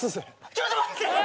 ちょっと待って！